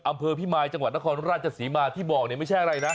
อำเภอพิมายจังหวัดนครราชศรีมาที่บอกเนี่ยไม่ใช่อะไรนะ